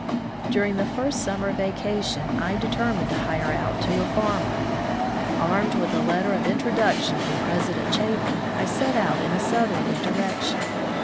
During the first summer vacation I deter mined to hire out to a farmer. Armed with a letter of introduction from President Chapin, I set out in a southerly direction.